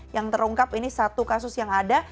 yang terungkap ini satu kasus yang ada